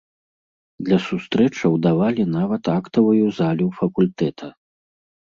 Для сустрэчаў давалі нават актавую залю факультэта.